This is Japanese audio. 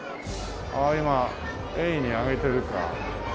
あっ今エイにあげてるか。